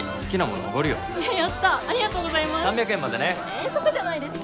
遠足じゃないですか。